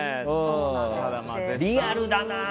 リアルだな。